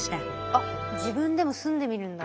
あっ自分でも住んでみるんだ。